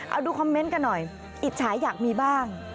เอาดูคอมเมนต์กันหน่อยอิจฉาอยากมีบ้าง